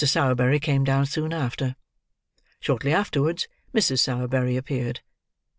Sowerberry came down soon after. Shortly afterwards, Mrs. Sowerberry appeared.